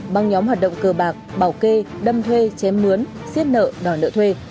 băng nhóm hoạt động cờ bạc bảo kê đâm thuê chém mướn xiết nợ đòi nợ thuê